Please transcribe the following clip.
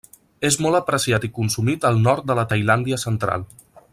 És molt apreciat i consumit al nord de la Tailàndia central.